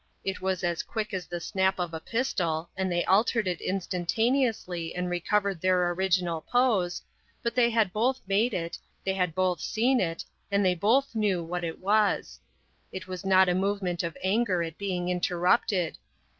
It was as quick as the snap of a pistol, and they altered it instantaneously and recovered their original pose, but they had both made it, they had both seen it, and they both knew what it was. It was not a movement of anger at being interrupted.